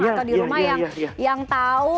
atau di rumah yang tahu